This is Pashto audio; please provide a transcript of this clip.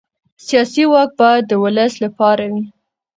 سیاسي واک باید د ولس لپاره وي